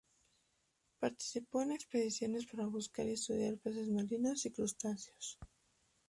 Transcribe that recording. Participó en expediciones para buscar y estudiar peces marinos y crustáceos.